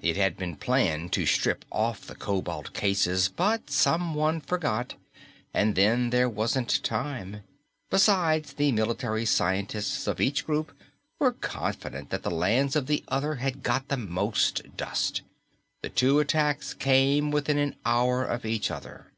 It had been planned to strip off the cobalt cases, but someone forgot and then there wasn't time. Besides, the military scientists of each group were confident that the lands of the other had got the most dust. The two attacks came within an hour of each other.